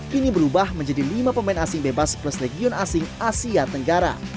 kini berubah menjadi lima pemain asing bebas plus legion asing asia tenggara